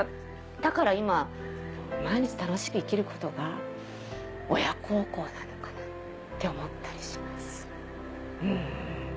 だから今毎日楽しく生きることが親孝行なのかなって思ったりします。